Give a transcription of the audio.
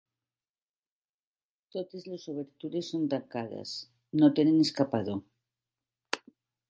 Totes les obertures són tancades: no tenen escapador.